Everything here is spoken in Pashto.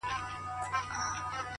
ورته مخ به د ناورين او جنازو وي -